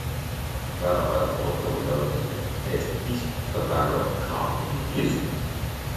Veram vaļā noliktavu, ļaujot viņiem ēst visu, tad vērojam, kā viņi mirst?